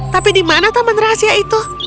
tapi di mana taman rahasia itu